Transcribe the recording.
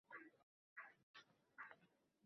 boshqalar esa yo‘q.